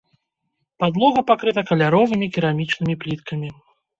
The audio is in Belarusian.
Падлога пакрыта каляровымі керамічнымі пліткамі.